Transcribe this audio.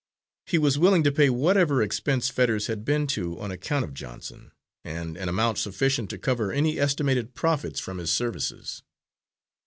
He was willing to pay whatever expense Fetters had been to on account of Johnson, and an amount sufficient to cover any estimated profits from his services.